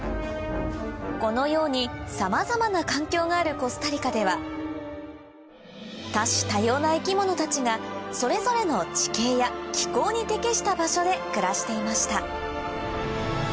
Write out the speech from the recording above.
このようにさまざまな環境があるコスタリカでは多種多様な生き物たちがそれぞれの地形や気候に適した場所で暮らしていました